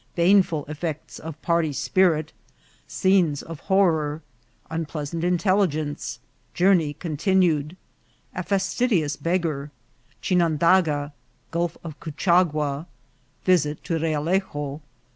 — Baneful Effects of Party Spirit.— Scenes of Horror. — Unpleasant Intelligence. — Journey continued. — A fastidious Beggar.— Chinandaga.— Gulf of Couchagua.— Visit to Realejo.